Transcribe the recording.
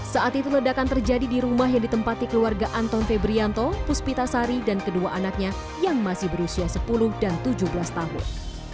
saat itu ledakan terjadi di rumah yang ditempati keluarga anton febrianto puspita sari dan kedua anaknya yang masih berusia sepuluh dan tujuh belas tahun